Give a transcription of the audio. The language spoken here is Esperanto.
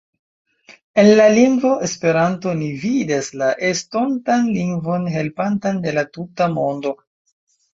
En la lingvo « Esperanto » ni vidas la estontan lingvon helpantan de la tuta mondo.